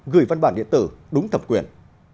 gửi văn bản điện tử đúng thẩm quyền